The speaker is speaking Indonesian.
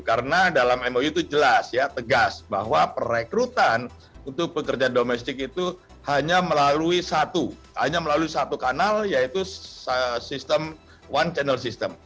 karena dalam mou itu jelas ya tegas bahwa perekrutan untuk pekerja domestik itu hanya melalui satu hanya melalui satu kanal yaitu sistem one channel system